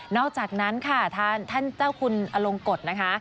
อกจากนั้นค่ะท่านเจ้าคุณอลงกฎนะคะ